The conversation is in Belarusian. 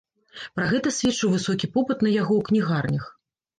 Пра гэта сведчыў высокі попыт на яго ў кнігарнях.